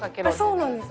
そうなんです。